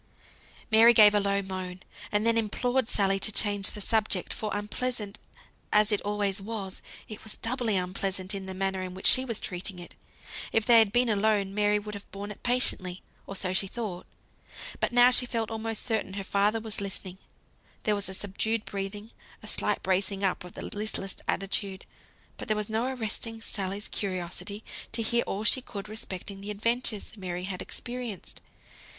Mary gave a low moan, and then implored Sally to change the subject; for unpleasant as it always was, it was doubly unpleasant in the manner in which she was treating it. If they had been alone, Mary would have borne it patiently, or so she thought, but now she felt almost certain her father was listening; there was a subdued breathing, a slight bracing up of the listless attitude. But there was no arresting Sally's curiosity to hear all she could respecting the adventures Mary had experienced.